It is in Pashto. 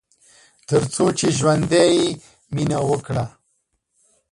تر څو چې ژوندی يې ، مينه وکړه